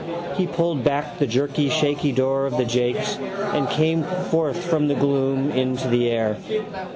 He pulled back the jerky shaky door of the jakes and came forth from the gloom into the air.